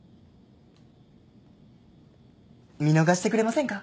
見逃してくれませんか？